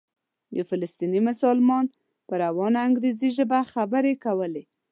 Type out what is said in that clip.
یو فلسطینی مسلمان په روانه انګریزي ژبه خبرې کولې.